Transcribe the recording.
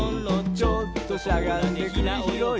「ちょっとしゃがんでくりひろい」